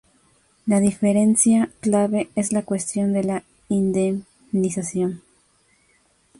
La diferencia clave es la cuestión de la indemnización.